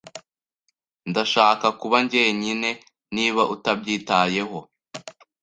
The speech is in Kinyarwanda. Ndashaka kuba jyenyine niba utabyitayeho.